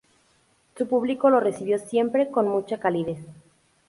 Su público la recibió siempre con mucha calidez.